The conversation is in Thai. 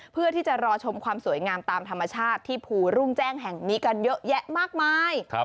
เพื่อที่จะรอชมความสวยงามตามธรรมชาติที่ภูรุ่งแจ้งแห่งนี้กันเยอะแยะมากมาย